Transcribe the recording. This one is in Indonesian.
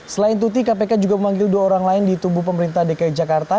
selain tuti kpk juga memanggil dua orang lain di tubuh pemerintah dki jakarta